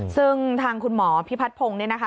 ซึ่งทางคุณหมอพิพัฒนพงศ์เนี่ยนะคะ